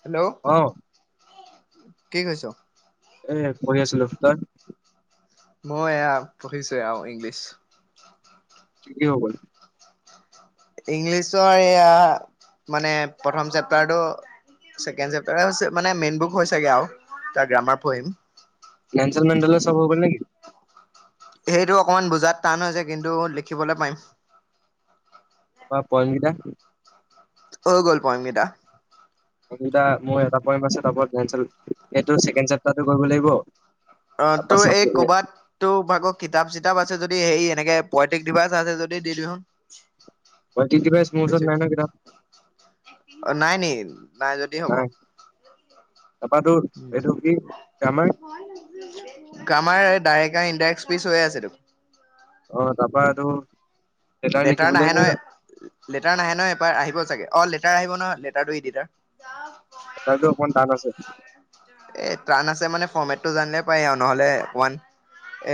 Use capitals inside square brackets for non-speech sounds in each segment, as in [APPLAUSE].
Hello অ কি কৰিছ। এ পঢ়ি আছিলোঁ তই। মই এয়া পঢ়িছো আৰু ইংলিছ। ঠিকে হ'বল ইংলিছৰ এইয়া মানে প্ৰথম চেপ্তাৰটো। ছেকেণ্ড চেপ্টাৰ হৈছে মানে মেইন বুক হৈছেগে আৰু এতিয়া আৰু গ্ৰামাৰ পঢ়িম। নেলছন মেডল চব হৈ গল নেকি? সেইটো অকমান বুজাত টান হৈছে কিন্তু লিখিবলে পাৰিম। আৰু পয়েম কেইটা? হৈ গ'ল পয়েমকেইটা। [UNINTELLIGIBLE] এইটো ছেকেণ্ড চাপটাৰটো কৰিব লাগিব। অ, তাৰপৰা তোৰ এই চাবজেক্ট কৰবাত তোৰ ভাগৰ কিতাপ চিতাপ আছে যদি হেৰি এনেকে পয়েটিক ডিভাইচ আছে যদি দি দিবিচোন। পইটিক ডিভাইচ মোৰ ওচৰত নাই নহয় কিতাপ। অ নাই নি, নাই যদি হব। তাৰপৰা তোৰ উম এইটো কি গ্ৰামাৰ [UNINTELLIGIBLE] গ্ৰামাৰ ডাইৰেক্ট আৰু ইন্দাইৰেক্ত স্পিচ হৈ আছে তোৰ? অ তাৰ পৰা তোৰ লেটাৰ নাহে নহয়, লেটাৰ নাহে নহয় এবাৰ আহিব চাগে অ লে লেটাৰ আহিব নহয় লেটাৰ ডেটাৰ। লেটাৰটো অলপমান টান আছে। এই টান আছে মানে ফৰ্মেটো জানিলে পাৰি আৰু নহ'লে ওৱান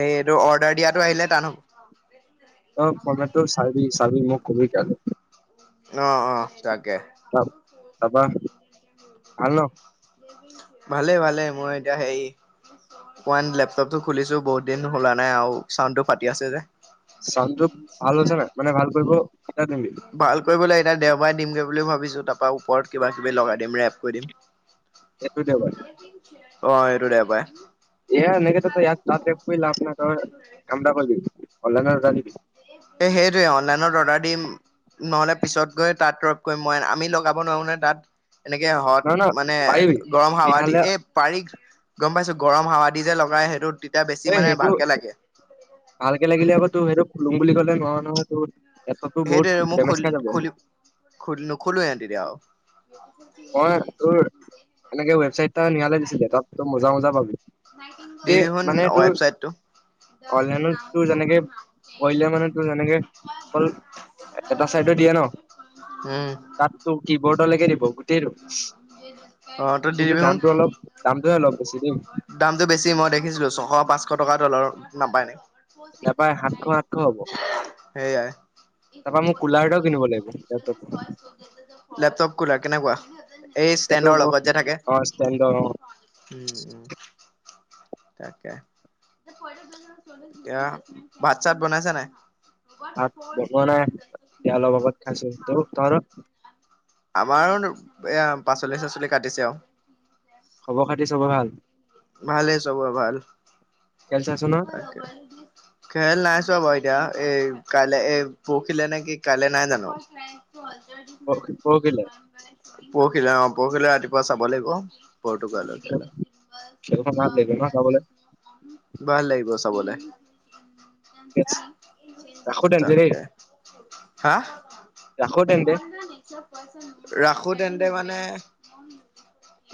এইটো অৰ্ডাৰ দিয়াটো আহিলে টান হব। ফৰমেতটো চা চাবি মোক কবি কাইলে। অ অ তাকে। টাপা ভাল ন? ভালে ভালে মই এতিয়া হেৰি পইণ্ট লেপটপটো খুলিছো বহুত দিন খোলা নাই আৰু চাউণ্ডটো ফাটি আছে যে। চাননৰুপ ভাল আ, হৈছে ন মানে ভাল কৰিব। কেতিয়া দিবি ভাল কৰিবলৈ এতিয়া দেওবাৰে দিমগে বুলি ভাবিছো। তাৰ পৰা ওপৰত কিবা- কিবি লগাই দিম, ৰেপ কৰি দিম। এইটো দেওবাৰে। অ, এইটো দেওবাৰে। এয়া নেকি ত তই ইয়াত ততে কলা আপোনাক কামটা কৰিল অনলাই জানিবি। এ সেইটোৱে অনলাইনত অৰ্ডাৰ দিম। নহ'লে পিছত গৈ তাত ড্ৰপ কৰিম। মই আমি লগাব নোৱাৰো নাই তাত। এনেকে নহয় হত নহয় মানে পাৰিবি গৰম হাৱাদি। নহলে এই পাৰি গম পাইছো। গৰম হাৱা দি যে লগাই সেইটো। তেতিয়া বেছি এ মানে সেইটো ভালকে লাগে। ভালকে লাগিলে আকৌ তোৰ সেইটো খুলিম বুলি কলে নহয়- নহয় তোৰ। লেপটপটো বহুত সেইটো মুখ ডেমেজ খাই যাব খল -খল নখোলোই এ তে আৰু। মই তোৰ, এনেকে ৱেবচাইট এটা নিয়ালে দিছিল দিছিল। দি দিয়কচোন মানে তোৰ ৱেবচাইটটো। [INAUDIBLE] অনলাইনত তোৰ যেনেকে কৰিলে মানে তোৰ যেনেকে অকল এটা [UNINTELLIGIBLE] চাইডত দিয়ে ন। উম। তাত তোক কি বৰ্ডলৈকে দিব। গোটেইটো অ তই দি কিন্তু দিবিচোন। দাম অলপ দাম। দামটো বেছি মই দেখিছিলো। ছশ পাঁচশ টকাটো অলপ নাপাই ন। নাপায় সাতশ আঠশ হ'ব সেই তাৰপৰা মোক কুলাৰ এটাও কিনিব লাগিব লেপটপৰ লেপটপ কোলাৰ কেনেকুৱা? এই এইটো ষ্টেণ্ডৰ আকৌ লগত যে থাকে। অ ষ্টেণ্ড উম, উ। তাকে ভাত চাত বনাইছে নাই? [INAUDIBLE] ভাত বনোৱা নাই এতিয়া অলপ আগত খাইছো ত তহঁতৰ আমাৰো এয়া পাচলি-চাচলি কাটিছে আৰু। খবৰ খাতি চবৰ ভাল? ভালেই চবৰ ভাল। খেল চাইছ নহয় তাকে খেল নাই বাৰু। এতিয়া, এ কাইলৈ এ পৰহিলে নে কি কাইলৈ নাই জানো? পৰহিলে পৰহিলৈ অ, পৰহিলৈ ৰাতিপুৱা চাব লাগিব। পৰ্টুগাল হয় তেল সেই ন দে ভা ভাল লাগিব চাবলৈ ৰাখো তেন্তে দেই তাকাকে হা ৰাখো তেন্তে ৰাখো তেন্তে মানে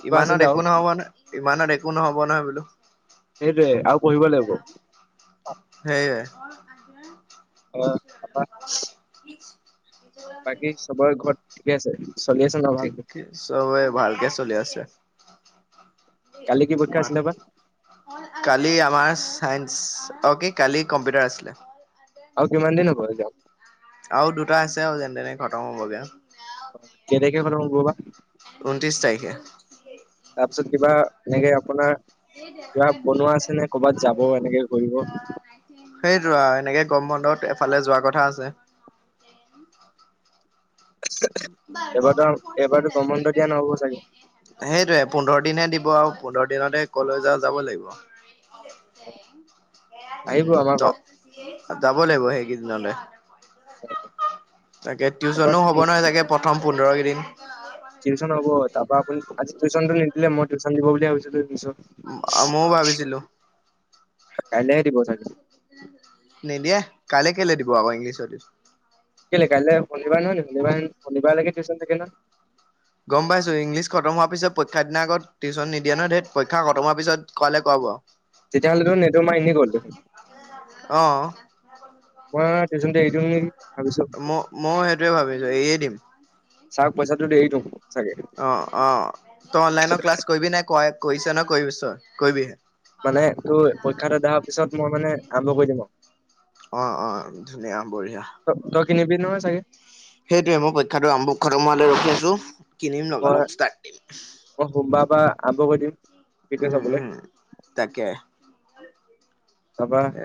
কিবা ইমানত আছিলে আৰু একো নহব ন ইমানত একো নহব নহয় বোলো সেইট আৰু পঢ়িব লাগিব সেই অ আ বাকী চবৰে ঘৰত ঠিকে আছে চলি আছে ন ঠিক ভালকে চবে ভালকে চলি আছে কালি কি পৰীক্ষা আছিলে বা কালি আমাৰ চাই অকে কালি কম্পিউটাৰ আছিলে আৰু কিমান দিনো ঘ যাম আৰু দুটা আছে আৰু যেনে তেনে খতম হ'বগে অ কে দেখে ব ববা ঊনত্ৰিশ তাৰিখে তাৰপিছত কিবা এনেকে আপোনাৰ কিবা সেইটো বনোৱা আছে নে ক'ৰবাত যাব এনেকে কৰিব আৰু এনেকে গম বন্ধত ফালে যোৱা কথা আছে এইবাৰতো এইবাৰতো গৰম বন্ধ দিয়া নহ'ব চাগে সেইটোয়ে পোন্ধৰ দিিন দিব আৰু পোন্ধৰ দিনতে কলেজা যাব লাগিব আহিব উম আমাৰ ত ঘৰত যাব লাগিব সেইকেইদিনলৈ অ তাকে টিউশচনো হ'ব নহয় চাগে প্ৰথম পোন্ধৰ কেইিন টিউচন হব তাৰ পৰা আপু আজি টিউ্যনটো নিদিলে মই টউশ্যন দিব বুলি ভাবিছিলো পিছত মইও ভাবিছিলো কাইলেেৰি বতাগি নিদিয়ে কাইলৈ কেলৈ দিব আকৌ ইংলিছততে কেলে কাইলৈ শনবাৰ নহ নে হবাৰ হনিবাৰ লাগে িউচন থাকে ন গম পাইছো ইংলিছ খতম হোৱাৰ পিছত পৰীক্ষাৰ দিনা আগত টিউচন নিদিয়ে ন েইৰ পৰীক্ষ খম হোৱাৰ পিছত কোৱালে কোৱা বু তেতিয়াহ'লেতো নেটৰ মাৰ এনেই গ'ল দেখোন আহ টো ম মই সেইটোয়ে ভাবিছো এৰিয়ে দিম চওক পইচাটো দেৰিটো অ অ তই অনলাইনৰ ক্লাছ কৰিবি নাই ক কছ ন কৰিবি চ কৰিবিহ মানে তোৰ পৰীক্ষাটো দোৰ পিছত মই মানে আৰম্ভ কৰি দিম আৰু অ অ ধুনীয়া বঢ়িয়া কিনে বিি ন চাগে সেইটোৱে মই পক্ষটোমোৱৈ ৰখি আছো কিনিমল মই আবব দিিম উম উম তাকে তাৰপৰা এ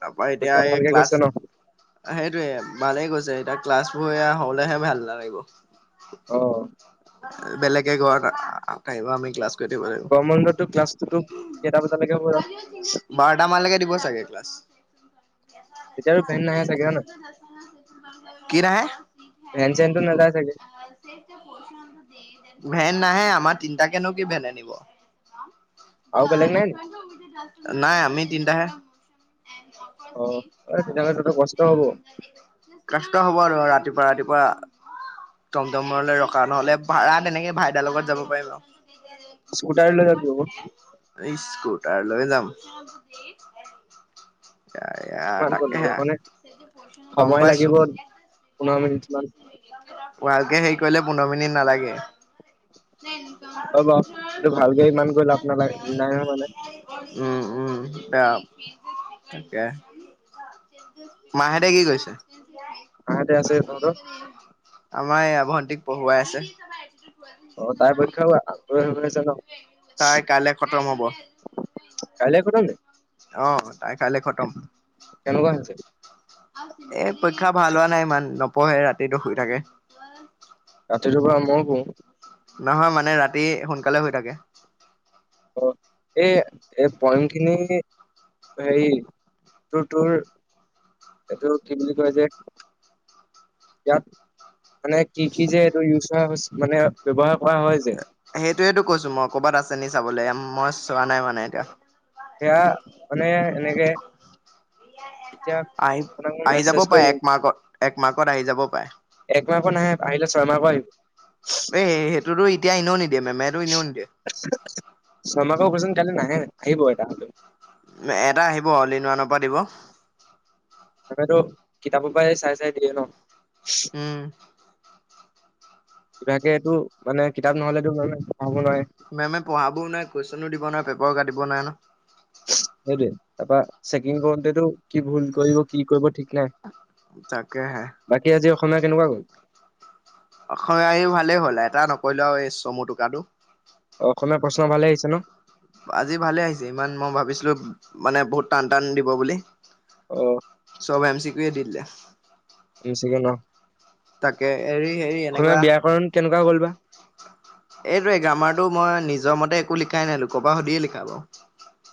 তাৰপা এতিয়া পৰীক্ষা এই ভালকে ক্লাছ গৈছে ন সেইটোয়ে ভালেই গৈছে এতিাক ক্লাছবোৰ এয়া হলেহে ভাল অ নালাগিব বেলেগে ঘৰতিবা আমি ক্লাছ গৰম বন্ধতো ক্লাছটোতো কেইটা বজালৈকে হ'ব জানো বাৰটাামান লকে দিব চাগে ক্লাছ তেতিয়াতো ভেন নাহে চাগে হয় নহয় কি নাহে এনজেনটো নাজাই চাগ [UNINTELLIGIBLE] ভেন নাহে আমাৰ তিনটাকেনো কি ভেন আনিব আৰু বেলেগ নাই নি নাই আমি তিনটাহে অ অ তেতিয়াহ'লে তহঁতৰ কষ্ট হব কষ্ট হব আৰু ৰাতিপুৱা ৰাতিপুৱ পুৱা টমটমৰলে ৰখা নহলে ভাড়া তেনেকে ভাইদাৰ লগত যাব পাৰিম আৰু স্কুটাৰ লৈ যাবি আক স্কুটাৰ লৈ যাম কিমান কণনো তাকেহে এইকণ হে গম সময় পাইছো। লাগিব পোন্ধৰ মিনিট মান ভালকে হেৰি কৰিলে পোন্ধৰ মিনিট নালাগে হয় বাৰু কিন্তু ভালকে ইমান গৈ লাভ নালাগে নাই নহয় মানে উম উম বেয়া তাকে মা হেতে কি কৈছে আহতে আছে তহঁতৰ আমাৰ এই আ ভণ্টীক পঢ়ুৱাই আছে অ তাই পৰীক্ষা আগ হৈ আছে ন তাই কাইলে খতম হব কাইলে খতম নি অ', তাই কাইলে কেনেকুৱা হৈছে এ পৰীক্ষা ভাল হোৱা নাই ইমান নপঢ়ে ৰাতিটো শুই থাকে ৰাতিটো বাও মইও শু নহয় মানে ৰাতি সোনকালে শুই থাকে অ এই এই পইম খিনি হেৰি তোৰ তোৰ এইটো কি বুলি কয় যে ইয়াত মানে কি কি যে এইটো ইউজ কৰা মানে ব্যৱহাৰ কৰা হয় যে সেইটোয়ো কৈছো মই ক'ৰবাত আছে নি চাবল মই চোৱা নাই মানে এতিয়া সেয়া মানে এনেকে এতিয়া আহি আপোনাক মই আহি যাব মেছেজ কৰি পাৰে দিম একমাৰ্কত একমাৰ্কত আহি যাব পাৰে একমাৰ্কৰ নাহে আহিলে ছয়মাৰ্কৰ আহিব এই সেইটোতো এতিয়া এনেও নিদিয়ে মেমেটো এনেও নিদিয়ে। ছয়মাৰ্কৰ কোয়েচন কাইলে নাহে আহিব এটা হলেও এটা আহিব অলি ইন ওৱানৰ পৰা দিব তাকেটো কিতাপ পাই চাই চাই দিয়ে ন উম কিবাকেটো মানে কিতাপ নহলেটো মেমে পঢ়াব নোৱাৰে মেমে পঢ়াবও নোৱাৰে কুৱেচনো দিব নোৱাৰে পেপাৰো কাটিব নোৱাৰে ন সেইটোৱে তাপা চেকিং কৰোতেটো কি ভুল কৰিব কি কৰিব ঠিক নাই তাকে হে তোমাৰ কেনেকুৱা গ'ল অসমীয়া এই ভালেই হ'ল এটা নকৰিলো আও এই চমু টোকটো তোমাৰ প্ৰশ্ন ভালে আহিছে ন আজি ভালে আহিছে ইমান মই ভাবিছিলো মানে বহুত টান টান দিব বুলি অ চব এম চি কি ও এ দি দিলে এম চি কে ন তাকে হেৰি হেৰি অসমীয়া এনেকুৱা ব্যাকৰণ কাৰণ কেনেকুৱা গল বা এইটোয়ে গ্ৰামাৰটো মই নিজৰ মতে একো লিখাই নাই লোকৰ পা সুধিয়ে লিখা বাও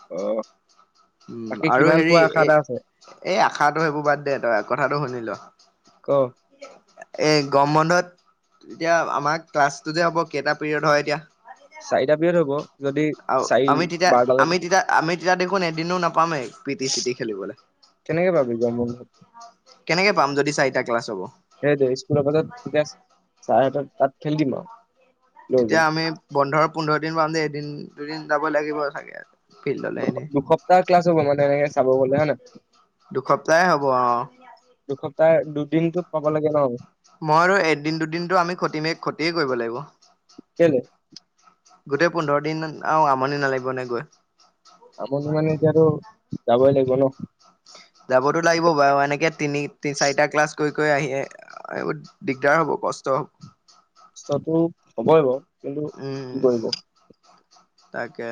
অ উম বাকী আৰু কিমান হেৰি পোৱা আশা এ এটা আছে এই আশাটো সেইবোৰ বাদ দে তই কথাটো শুনি ল ক এই গম বন্ধত এতিয়া আমাৰ ক্লাছটো যে হ'ব কেইটা পিৰিয়ড হয় এতিয়া চাৰিটা পিয়ড হব যদি আৰু চাৰি আমি তেতিয়া - আমি বাৰটালৈকে তেতিয়া - আমি তেতিয়া দেখোন এদিনো নাপামেই পি টি চি টি খেলিবলৈ। কেনেকে পাবি য ম। কেনেকৈ পাম যদি চাৰিটা ক্লাছ হ'ব। সেইটোৱ স্কুলৰ পাজত তেতিয়া ছাৰতক তাত খেলি দিম আৰু। লৈ তেতিয়া গৈ আমি বন্ধ পোন্ধৰ দিন পাম যে এদিন দুদিন যাব লাগিব চাগে। ফিল্ডলে এনেই দুসপ্তাহ ক্লাছ হ'ব মানে এনেকে চাব গ'লে হয়ে নাই। দুসপ্তাহ হব অ, তাৰ দুদিনটোত পাব লাগে ন। মই আৰু এদিন দুদিনতটো আমি খষতি ম ক্ষতিয়ে কৰিব লাগিব। কেলে? গোটেই পোন্ধৰ দিন আহ, আমনি নালাগিব নে গৈ। আপুনি মানে এতিয়া আৰু যাবই লাগিব ন। যাবতো লাগিব বাৰু এনেকে তিনি তি চাৰিটা ক্লাছ কৰি। গৈ আহি দিগদাৰ হ'ব কষ্ট হ'ব। টো হবই বাৰু। কিন্তু কি উম, কৰিব তাকে।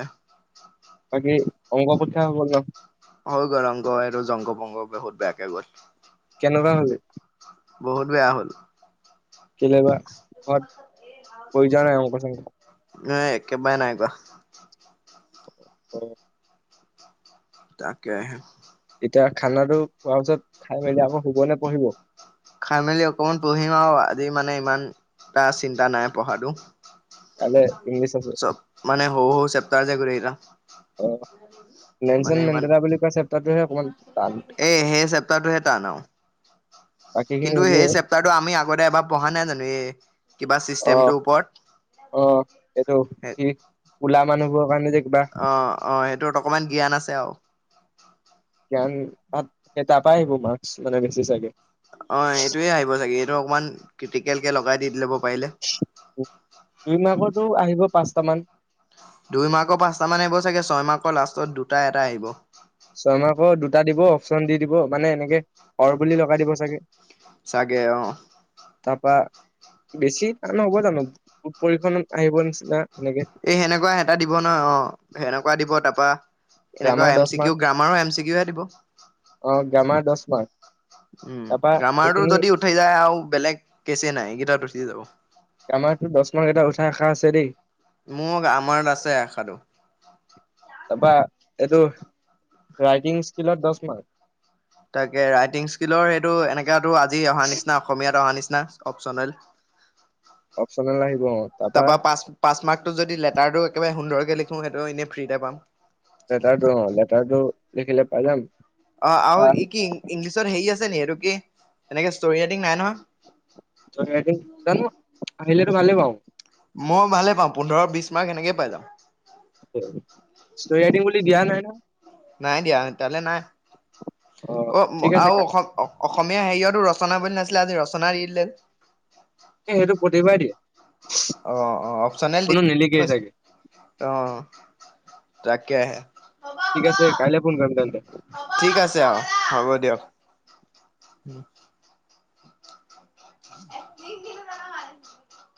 বাকী অংগ পঠা ব হৈ গ'ল অংক এইটো জংগ পংগ বহুত বেয়াকে গ'ল। নুৱাহলে বহুত বেয়া হ'ল। কেলে বা ঘ ন একে পাই নাই গ হয়। তাকে আহে এতিয়া খানাটো খোৱাৰ পিছত খাই মেলি আকৌ শুবনে পঢ়িব। খাই মেলি অকমান পঢ়িম আৰু আজি মানে ইমান এটা চিন্তা নাই পঢ়াতটো। কাইলে ইংলিছ আছে চ মানে হ - হ চেপ্তাহ জোগিল [UNINTELLIGIBLE] অ', লেনচন মেণ্ডেৰা বুলি কোৱা চেপ্টাৰটোহে অকমান টান। এই সেই চেপ্তাৰটোহে টান আৰু বাকীখিনি কিন্তু সেই এইবোৰে চেপ্তাৰটো আমি আগতে এবাৰ পঢ়া নাই জানো এই। কিবা অ চিষ্টেমটোৰ ওপৰত অ, এইটো স উলা মানুহবোৰৰ কাৰণে যে কিবা অ- অ সেইটোত অকমান জ্ঞান আছে আৰু। জ্ঞান তাত তাৰাপাই আহিব মাৰ্কচ মানে বেছি চাগে। অ, এইটোয়ে আহিব চাগে এইটো অকমান ক্ৰিটিকেল কে লগাই দি দিলে। দুই মাকতো আহিব পাচট মান। দুই মাহৰ পাচটা মান আহিব চাগে ছয় ম লাষ্টত দুটা এটা আহিব। এটা দিব অপচন দি- দিব মানে এনেকে হৰ বুলি লগাই দিব চাগে। চাগে অ, তাৰপা বেছি টানহ'ব জানো পৰিক্ষণত আহিব নিচিনা। এনেকে এ সেনেকুৱা এটা দিব নহয় অ, সেনেকুৱা দিব তাৰাপা এনেকুৱা গ্ৰামাৰ এম দহ চি মাৰ্ক কিউ গ্ৰামাৰৰ এম চি কিহে দিব। জামা দশ ম উম, গ্ৰামাৰটো যদি উঠাই যায় আৰু বেলেগ কেচ নাই এইকেইটাত উঠি যাব। আমাৰতো দচ মমান কেইটা উঠা আষা আছে দেই। মোক আমাৰত আছে আসাটো তাৰপৰা এইটো ৰাইটিং স্কিলত দহ মাৰ্ক। তাকে ৰাইটিং স্কিলৰ সেইটো এনেকাতটো আজি অহা নিচিনা অসমীয়াত অহা নিচিনা না অপচনেল। অপচনেল আহিব অ, তাৰপা পাছমাৰ্কটো যদি লেটাৰটো একেবাৰে সুন্দৰকে লিখো সেইটো এনেই ফ্ৰীতে পাম লেটাৰটো অ লেটাৰটো লিখিলে পাই যাম অ আৰু ই কি ইংলিছত হেৰি আছে নি এইটো কি এনেকে ষ্ট ৰাইটিং নাই নহয় জানো, আহিলেতো ভালেই বাৰু। মই ভালেই পাওঁ পোন্ধৰ বিশ মাৰ্ক সেনেকেই পাই যাম। চয় বুলি বুলি ধ্ঞান হয় ন [UNINTELLIGIBLE] নাই দিয়া তালে নাই। অ ঠিক আছে আৰু অসম- অসমীয়া হেৰিয়াতো ৰচনা বুলি নাছিলে আজি ৰচনা দি দিলে। সেইটো প্ৰাতি বাৰেই দিয়ে। অ-অ অপচনেল দি কোনো নিলিখেই থৈছে। চাগে অ-অ তাকেহে, ঠিক আছে কাইলৈ ফোন কৰিম তেন্তে ঠিক আছে হ'ব দিয়ক। উম [UNINTELLIGIBLE] এ [UNINTELLIGIBLE]